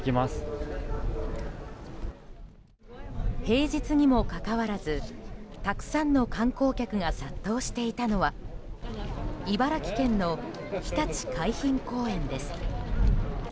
平日にもかかわらずたくさんの観光客が殺到していたのは茨城県のひたち海浜公園です。